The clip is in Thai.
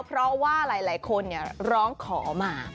เพราะว่าหลายคนร้องขอมา